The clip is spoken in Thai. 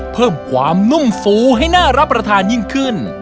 เพิ่มความนุ่มฟูให้น่ารับประทานยิ่งขึ้น